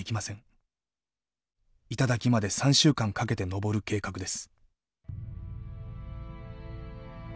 頂まで３週間かけて登る計画です。